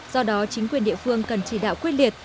do đó chính quyền địa phương cần chỉ đạo quyết liệt